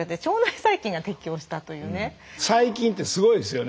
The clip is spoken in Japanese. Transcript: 細菌ってすごいですよね。